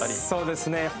そうですね。